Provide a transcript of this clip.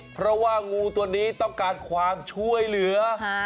เพราะว่างูตัวนี้ต้องการความช่วยเหลือ